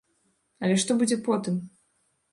Але што будзе потым?